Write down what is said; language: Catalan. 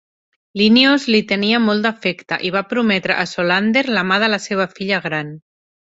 Linnaeus li tenia molt d'afecte, i va prometre a Solander la mà de la seva filla gran.